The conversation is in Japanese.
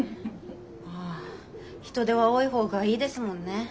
ああ人手は多い方がいいですもんね。